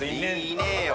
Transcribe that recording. いねえよ。